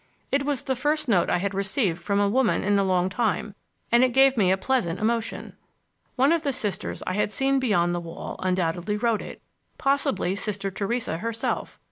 It was the first note I had received from a woman for a long time, and it gave me a pleasant emotion. One of the Sisters I had seen beyond the wall undoubtedly wrote it—possibly Sister Theresa herself.